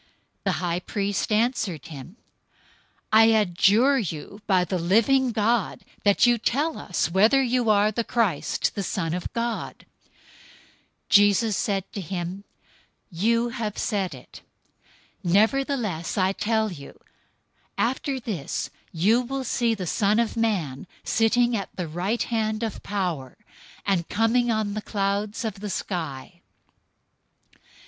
The high priest answered him, "I adjure you by the living God, that you tell us whether you are the Christ, the Son of God." 026:064 Jesus said to him, "You have said it. Nevertheless, I tell you, after this you will see the Son of Man sitting at the right hand of Power, and coming on the clouds of the sky."